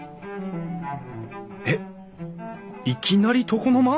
えっいきなり床の間！？